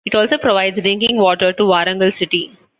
It also provides drinking water to Warangal city.